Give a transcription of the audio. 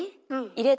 入れて。